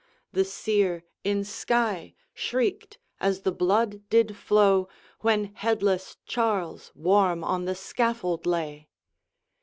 The seer, in Skye, shrieked as the blood did flow, When headless Charles warm on the scaffold lay!